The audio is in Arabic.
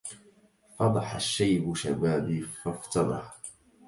فضح الشيب شبابي فافتضح